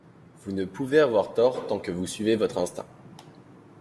Vous ne pouvez pas avoir tort tant que vous suivez votre instinct.